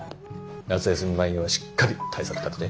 夏休み前にはしっかり対策立てて。